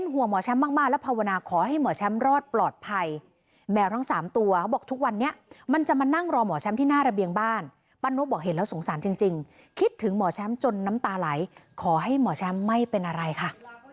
ขอให้หมอแชมป์ปลอดภัยแมวทั้งสามตัวบอกทุกวันนี้มันจะมานั่งรอหมอแชมป์ที่หน้าระเบียงบ้านป้านนกบอกเห็นแล้วสงสารจริงจริงคิดถึงหมอแชมป์จนน้ำตาไหลขอให้หมอแชมป์ไม่เป็นอะไรค่ะ